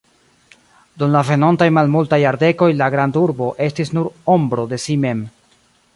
Dum la venontaj malmultaj jardekoj la grandurbo estis nur ombro de si mem.